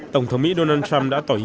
tổng thống mỹ donald trump đã tỏa cho mỹ